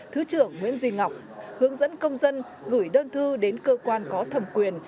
thứ trưởng nguyễn duy ngọc hướng dẫn công dân gửi đơn thư đến cơ quan có thẩm quyền